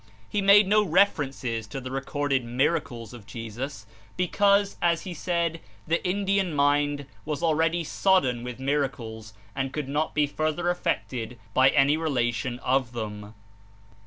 He made no references to the recorded miracles of Jesus, because, as he said, the Indian mind was already "sodden with miracles" and could not be further affected by any relation of them.